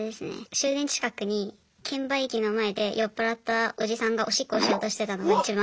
終電近くに券売機の前で酔っ払ったおじさんがおしっこしようとしてたのが一番。